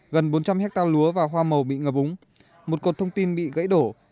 gần bốn trăm linh hectare lúa và hoa màu bị ngờ búng một cột thông tin bị gãy đổ